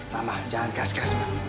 mama jangan keras keras